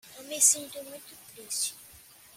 Eu me sinto muito triste